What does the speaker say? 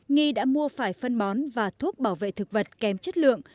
nghi đã mua phải phân bón và thuốc bảo vệ thực vật kém chất lượng